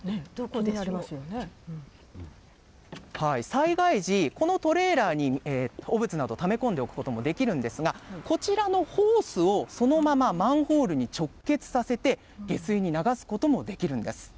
災害時、このトレーラーに汚物などをため込んでおくこともできるんですが、こちらのホースを、そのままマンホールに直結させて、下水に流すこともできるんです。